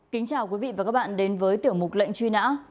kính chào quý vị và các bạn đến với tiểu mục lệnh truy nã